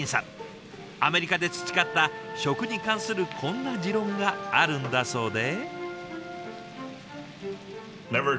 アメリカで培った食に関するこんな持論があるんだそうで。